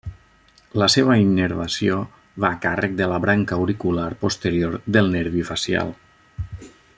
La seva innervació va a càrrec de la branca auricular posterior del nervi facial.